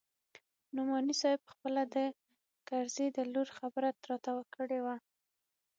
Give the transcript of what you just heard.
نعماني صاحب پخپله د کرزي د لور خبره راته کړې وه.